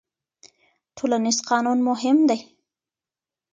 ټولنيز قانون مهم دی.